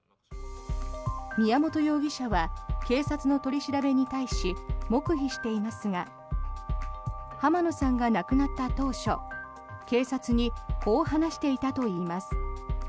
宮本容疑者は警察の取り調べに対し黙秘していますが浜野さんが亡くなった当初警察にこう話していたといいます。